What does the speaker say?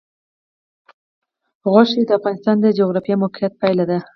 غوښې د افغانستان د جغرافیایي موقیعت پایله ده.